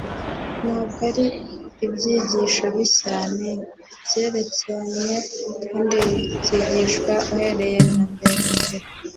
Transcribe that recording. ntabwo ari ibyigisho bishya: ni ibyerekanyve kandi bikigishwa uhereye mbere na mbere.